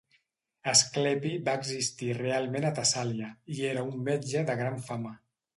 Asclepi va existir realment a Tessàlia, i era un metge de gran fama.